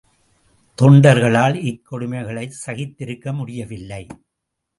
தொண்டர்களால் இக்கொடுமைகளைச் சகித்திருக்க முடியவில்லை.